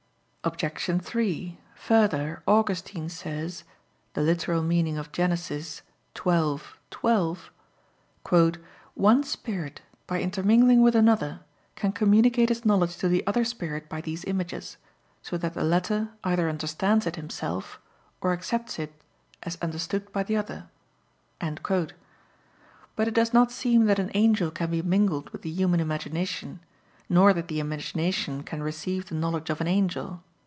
Obj. 3: Further, Augustine says (Gen. ad lit. xii, 12): "One spirit by intermingling with another can communicate his knowledge to the other spirit by these images, so that the latter either understands it himself, or accepts it as understood by the other." But it does not seem that an angel can be mingled with the human imagination, nor that the imagination can receive the knowledge of an angel.